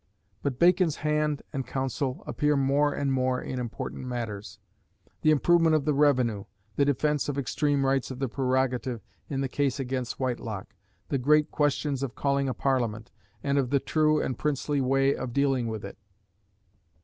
But Bacon's hand and counsel appear more and more in important matters the improvement of the revenue; the defence of extreme rights of the prerogative in the case against Whitelocke; the great question of calling a parliament, and of the true and "princely" way of dealing with it.